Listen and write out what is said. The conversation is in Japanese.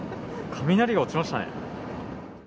雷が落ちましたね。